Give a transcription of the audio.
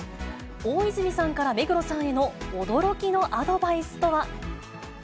大泉さんから目黒さんへの驚きのアドバイスとは。